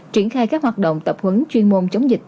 triển khai các hoạt động tập huấn chuyên môn chống dịch